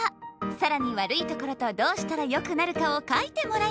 更にわるいところとどうしたらよくなるかを書いてもらいます